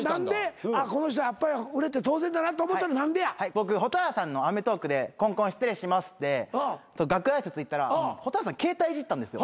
僕蛍原さんの『アメトーーク！』でコンコン失礼しますって楽屋挨拶行ったら蛍原さん携帯いじってたんですよ。